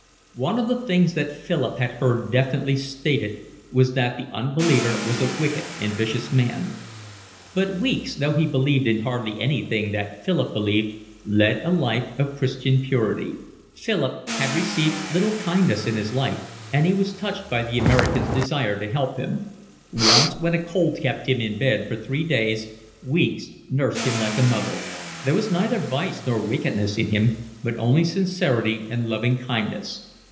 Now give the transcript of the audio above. One of the things that Philip had heard definitely stated was that the unbeliever was a wicked and a vicious man; but Weeks, though he believed in hardly anything that Philip believed, led a life of Christian purity. Philip had received little kindness in his life, and he was touched by the American's desire to help him: once when a cold kept him in bed for three days, Weeks nursed him like a mother. There was neither vice nor wickedness in him, but only sincerity and loving kindness.